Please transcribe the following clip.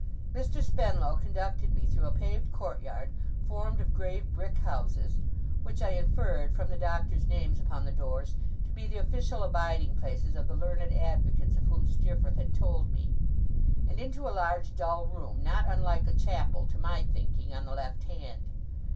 Mr. Spenlow conducted me through a paved courtyard formed of grave brick houses, which I inferred, from the Doctors' names upon the doors, to be the official abiding places of the learned advocates of whom Steerforth had told me; and into a large dull room, not unlike a chapel to my thinking, on the left hand.